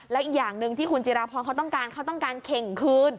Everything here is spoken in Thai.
แล้วอีกอย่างหนึ่งที่คุณจิราพรเขาต้องการเขาต้องการเข่งคืน